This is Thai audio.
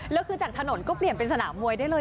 แล้วคือจากถนนก็เปลี่ยนเป็นสนามมวยได้เลย